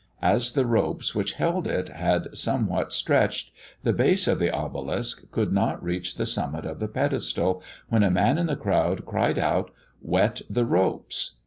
As the ropes which held it had somewhat stretched, the base of the obelisk could not reach the summit of the pedestal, when a man in the crowd cried out, "_Wet the ropes!